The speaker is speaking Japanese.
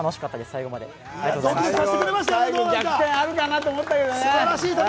最後逆転あるかなと思ったけどね。